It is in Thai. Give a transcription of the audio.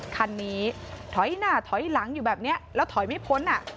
คันนี้ถอยหน้าถอยหลังอยู่แบบนี้แล้วถอยไม่พ้น